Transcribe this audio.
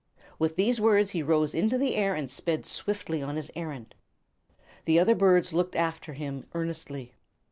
With these words he rose into the air and sped swiftly upon his errand. The other birds looked after him earnestly.